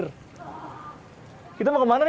yang katanya sering banjir